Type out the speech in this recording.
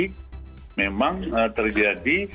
jadi memang terjadi